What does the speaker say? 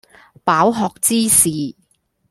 飽學之士